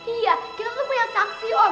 iya kita tuh punya saksi oh